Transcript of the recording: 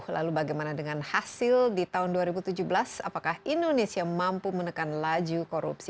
lalu bagaimana dengan hasil di tahun dua ribu tujuh belas apakah indonesia mampu menekan laju korupsi